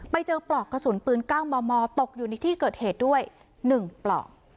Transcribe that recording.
ไปเจอปลอกกระสุนปืนก้าวมอมอตกอยู่ในที่เกิดเหตุด้วย๑ปลอก